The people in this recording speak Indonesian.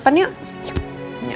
cepet cepet selesai ya